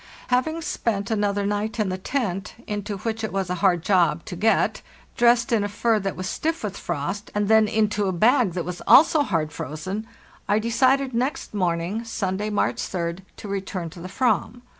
Having spent another night in the tent —into which it was a hard job to get, dressed in a fur that was stiff with frost, and then into a bag that was also hard frozen—I decided next morning (Sunday, March 3d) to return to the Avam.